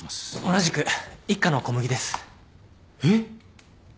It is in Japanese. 同じく一課の小麦です。えっ！？